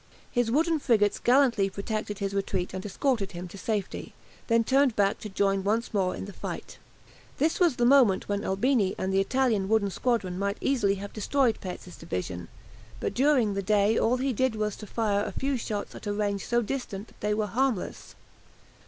His wooden frigates gallantly protected his retreat and escorted him to safety, then turned back to join once more in the fight. This was the moment when Albini with the Italian wooden squadron might easily have destroyed Petz's division, but during the day all he did was to fire a few shots at a range so distant that they were harmless.